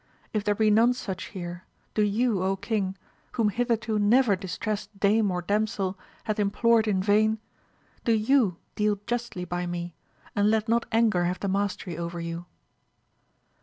If there be none such here, do you king, whom hitherto never distressed dame or damsel hath implored in vain, do you deal justly by me, and let not anger have the mastery over you.